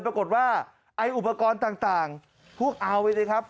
ปรากฏว่าไอ้อุปกรณ์ต่างพวกเอาไปเลยครับ